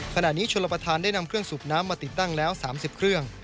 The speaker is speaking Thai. ขณะนี้ชนประธานได้นำเครื่องสูบน้ำมาติดตั้งแล้ว๓๐เครื่อง